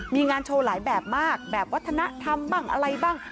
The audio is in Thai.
มีงานโชว์หลายแบบมากแบบวัฒนธรรมบ้างอะไรบ้าง